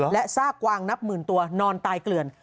และซากกวางนับหมื่นตัวนอนตายเกลื่อน